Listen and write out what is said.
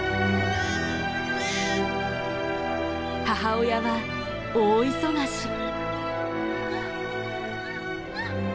母親は大忙し。